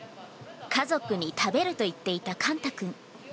家族に食べると言っていたかんた君。